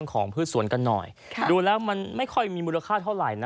พืชสวนกันหน่อยดูแล้วมันไม่ค่อยมีมูลค่าเท่าไหร่นะ